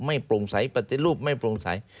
ไม่ปรงสัตย์